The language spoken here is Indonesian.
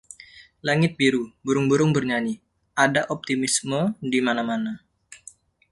Langit biru, burung-burung bernyanyi, ada optimisme di mana-mana.